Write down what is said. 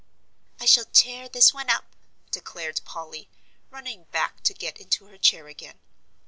"I shall tear this one up," declared Polly, running back to get into her chair again.